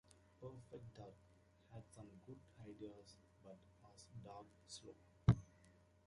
"Perfect Dark" had some good ideas but was dog slow.